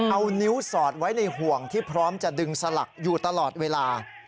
เอานิ้วสอดไว้ในห่วงที่พร้อมจะดึงสลักอยู่ตลอดเวลา